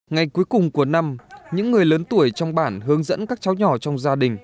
ngày cuối cùng của năm những người lớn tuổi trong bản hướng dẫn các cháu nhỏ trong gia đình